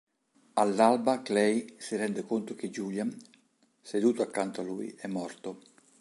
All'alba Clay si rende conto che Julian, seduto accanto a lui, è morto.